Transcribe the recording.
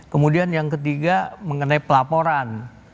kemudian yang ketiga mengenai pelaporan